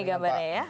ini gambarnya ya